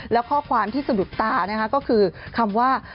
แล้วข้อความที่สะดุดตานะคะก็คือคำว่า